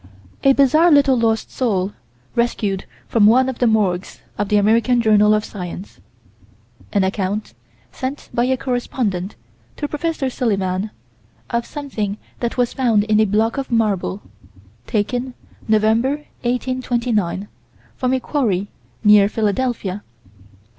A bizarre little lost soul, rescued from one of the morgues of the American Journal of Science: An account, sent by a correspondent, to Prof. Silliman, of something that was found in a block of marble, taken November, 1829, from a quarry, near Philadelphia (_Am.